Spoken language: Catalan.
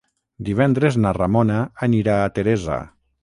Divendres na Ramona anirà a Teresa.